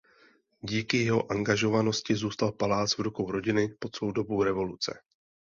Díky jeho angažovanosti zůstal palác v rukou rodiny po celou dobu revoluce.